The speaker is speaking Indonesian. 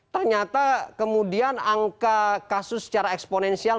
ternyata kemudian angka kasus secara eksponensial